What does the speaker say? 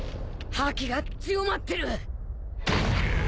覇気が強まってる。